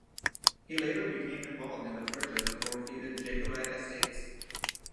He later became involved in the purchase of forfeited Jacobite estates.